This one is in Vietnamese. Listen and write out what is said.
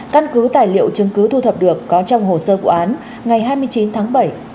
căn cứ tài liệu chứng cứ thu thập được có trong hồ sơ vụ án ngày hai mươi chín tháng bảy